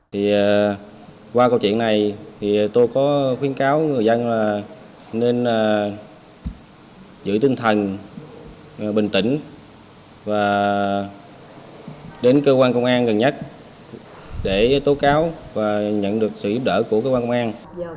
giữ tinh thần bình tĩnh và đến cơ quan công an gần nhất để tố cáo và nhận được sự giúp đỡ của cơ quan công an